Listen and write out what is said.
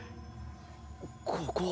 ここは。